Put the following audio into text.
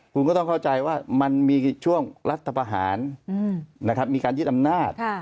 คุณก็ต้องเข้าใจว่ามันมีช่วงรัฐประหารมีการยึดอำนาจ